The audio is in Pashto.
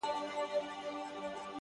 ستادی ،ستادی، ستادی فريادي گلي،